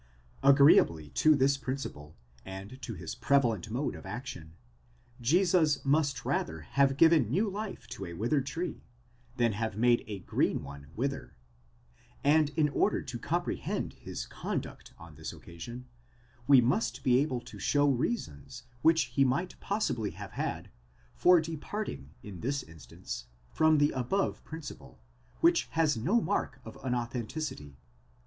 Agreeably to this principle, and to his prevalent mode of action, Jesus must rather have given new life to a withered tree, than have made a green one wither ; and in order to compre hend his conduct on this occasion, we must be able to show reasons which 51,7. § 128. psi Hea Woy MIRACLES—CURSING THE BARREN FIG TREE, 529 he might possibly have had, for departing in this instance from the above principle, which has no mark of unauthenticity.